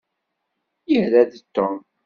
Yerra-d Tom.